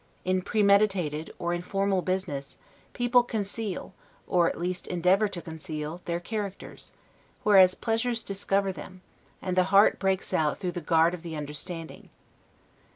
In premeditated, or in formal business, people conceal, or at least endeavor to conceal, their characters: whereas pleasures discover them, and the heart breaks out through the guard of the understanding.